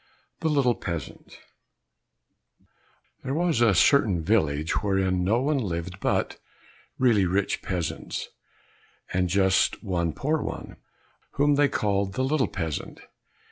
61 The Little Peasant There was a certain village wherein no one lived but really rich peasants, and just one poor one, whom they called the little peasant.